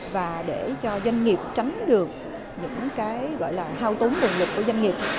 và để cho doanh nghiệp tránh được những cái gọi là hao tốn nguồn lực của doanh nghiệp